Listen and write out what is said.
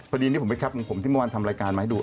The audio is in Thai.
พอดีนี่ผมไปแป๊ปของผมที่เมื่อวานทำรายการมาให้ดู